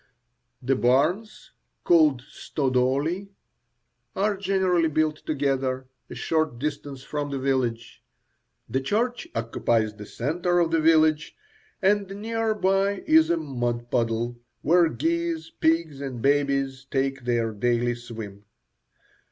The barns, called "stodoly," are generally built together, a short distance from the village. The church occupies the centre of the village, and near by is a mud puddle, where geese, pigs, and babies take their daily swim.